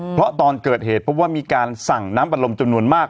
เพราะตอนเกิดเหตุพบว่ามีการสั่งน้ำอัดลมจำนวนมาก